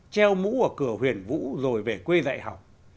treo mũ ở cửa huyền vũ rồi về quê dạy học